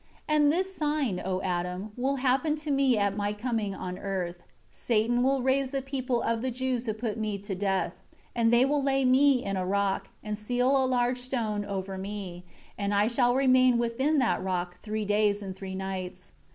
8 And this sign, O Adam, will happen to Me at My coming on earth: Satan will raise the people of the Jews to put Me to death; and they will lay Me in a rock, and seal a large stone over Me, and I shall remain within that rock three days and three nights.